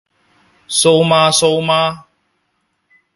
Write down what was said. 蘇媽蘇媽？